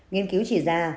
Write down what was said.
nghiên cứu chỉ ra